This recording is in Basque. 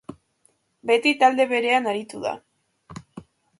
Beti talde berean aritu da.